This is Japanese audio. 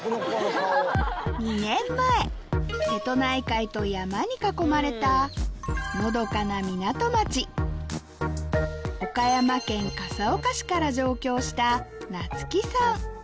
２年前瀬戸内海と山に囲まれたのどかな港町岡山県笠岡市から上京したなつきさん